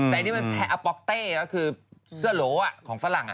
แต่นี่มันแผลป็อกเต้คือเสื้อโหลของฝรั่งอ่ะ